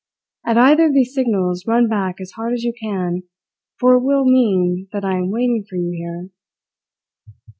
At either of these signals run back as hard as you can, for it will mean that I am waiting for you here."